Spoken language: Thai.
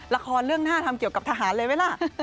ละครเรื่องหน้าทำเกี่ยวกับทหารเลยไหมล่ะ